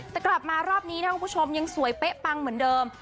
แต่รอบนี้นายคุณผู้ชมยังสวยใป้ปังอยู่เหมือนเดิน